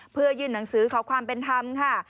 เพื่อยื่นหนังสือขอความเป็นธรรมค่ะ